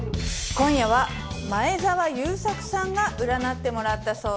今夜は前澤友作さんが占ってもらったそうです。